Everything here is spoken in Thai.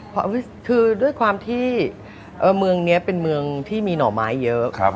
เพราะคือด้วยความที่เมืองนี้เป็นเมืองที่มีหน่อไม้เยอะ